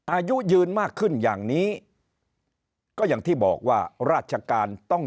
อายุยืนมากขึ้นอย่างนี้ก็อย่างที่บอกว่าราชการต้อง